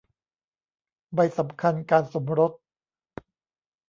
ใบสำคัญการสมรส